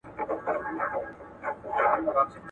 د شهادت سپين غمــــــي چـــــا وکـــــــــــــرل ؟